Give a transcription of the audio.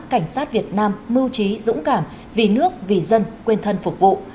cảnh sát việt nam mưu trí dũng cảm vì nước vì dân quên thân phục vụ